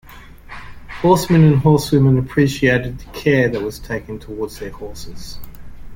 Horsemen and Horsewomen appreciated the care that was taken towards their horses.